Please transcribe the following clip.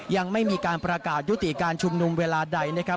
ยังไม่มีการประกาศยุติการชุมนุมเวลาใดนะครับ